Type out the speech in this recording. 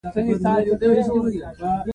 تالابونه د افغانستان د طبیعي زیرمو برخه ده.